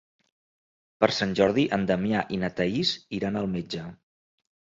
Per Sant Jordi en Damià i na Thaís iran al metge.